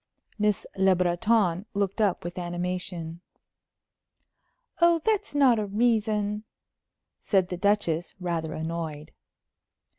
Miss Le Breton looked up with animation. "Oh, that's not a reason," said the Duchess, rather annoyed.